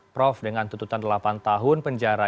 prof dengan tuntutan delapan tahun penjara